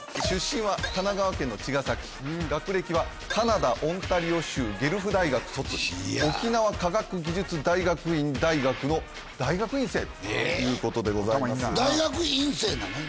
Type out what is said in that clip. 出身は神奈川県の茅ヶ崎市学歴はカナダ・オンタリオ州ゲルフ大学卒沖縄科学技術大学院大学の大学院生ということでございます大学院生なの？